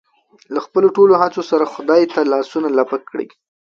له خپلو ټولو هڅو سره خدای ته لاسونه لپه کړي.